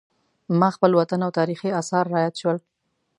ما خپل وطن او تاریخي اثار را یاد شول.